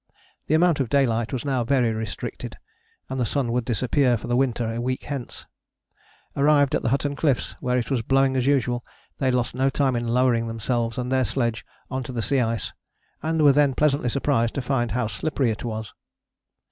The amount of daylight was now very restricted, and the sun would disappear for the winter a week hence. Arrived at the Hutton Cliffs, where it was blowing as usual, they lost no time in lowering themselves and their sledge on to the sea ice, and were then pleasantly surprised to find how slippery it was.